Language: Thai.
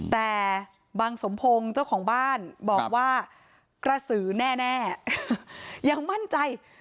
แต่บังสมพงศ์เจ้าของบ้านบอกว่ากระสือแน่ยังมั่นใจ